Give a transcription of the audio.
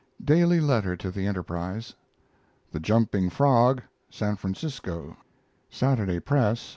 Daily letter to the Enterprise. THE JUMPING FROG (San Francisco) Saturday Press.